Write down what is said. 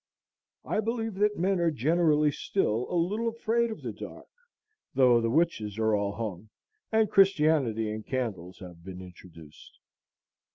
I believe that men are generally still a little afraid of the dark, though the witches are all hung, and Christianity and candles have been introduced.